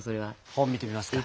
本見てみますか？